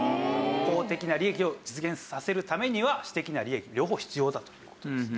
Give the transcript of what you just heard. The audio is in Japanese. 公的な利益を実現させるためには私的な利益と両方必要だという事ですね。